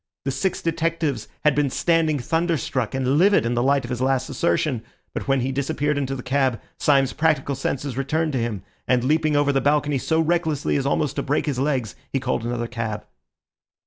The six detectives had been standing thunderstruck and livid in the light of his last assertion; but when he disappeared into the cab, Syme's practical senses returned to him, and leaping over the balcony so recklessly as almost to break his legs, he called another cab.